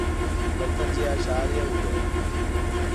خپل طنزیه اشعار یې وویل.